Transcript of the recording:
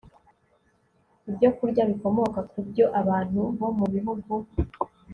Ibyokurya Bikomoka ku byo Abantu bo mu Bihugu